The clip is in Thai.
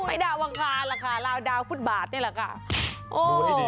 ไม่ตะวางคานะคะราวดาวฟุ๊ตบาทนี่แหละก็